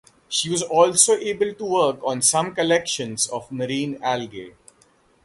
She was also able to work on some collections of marine algae.